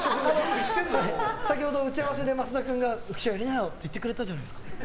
先ほど打ち合わせで、増田君が浮所やりなよって言ってくれたじゃないですか。